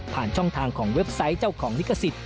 ช่องทางของเว็บไซต์เจ้าของลิขสิทธิ